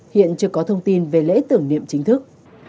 hiện chưa có thông tin về lễ tưởng niệm chính thức